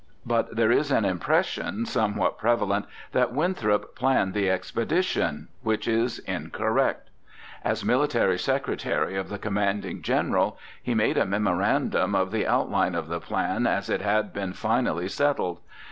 But there is an impression somewhat prevalent that Winthrop planned the expedition, which is incorrect. As military secretary of the commanding general, he made a memorandum of the outline of the plan as it had been finally settled.